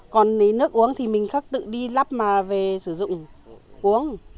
còn lấy nước uống thì mình khắc tự đi lắp mà về sử dụng uống